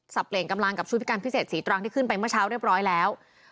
เปลี่ยนกำลังกับชุดพิการพิเศษศรีตรังที่ขึ้นไปเมื่อเช้าเรียบร้อยแล้ว